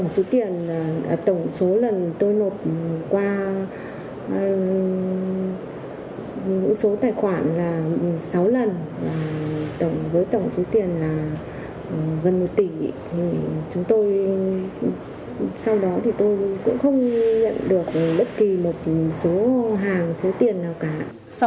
sau lần với tổng số tiền là gần một tỷ sau đó tôi cũng không nhận được bất kỳ một số hàng số tiền nào cả